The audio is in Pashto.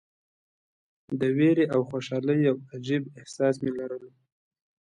د ویرې او خوشالۍ یو عجیب احساس مې لرلو.